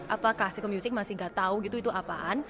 apa classical music masih nggak tahu gitu itu apaan